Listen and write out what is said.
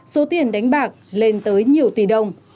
số tiền đánh bạc lên tới nhiều tỷ đồng